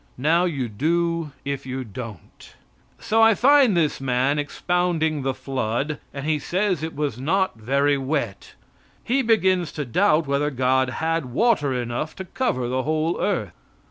Now you do if you don't. So I find this man expounding the flood, and he says it was not very wet. He begins to doubt whether God had water enough to cover the whole earth.